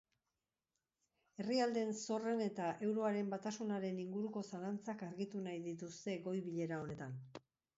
Herrialdeen zorren eta euroaren batasunaren inguruko zalantzak argitu nahi dituzte goi-bilera honetan.